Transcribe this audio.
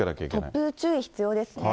突風、注意が必要ですね。